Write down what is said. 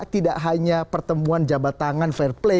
tidak hanya pertemuan jabat tangan fair play